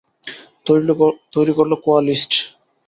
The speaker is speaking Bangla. তৈরি করল কোয়ালিস্ট।